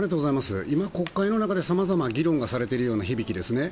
今、国会の中でさまざま議論がされている響きですよね。